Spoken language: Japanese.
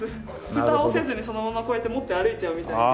ふたをせずにそのままこうやって持って歩いちゃうみたいで。